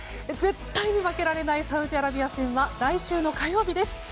絶対に負けられないサウジアラビア戦は来週の火曜日です。